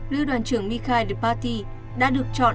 lưu đoàn trưởng mikhail departy đã được chọn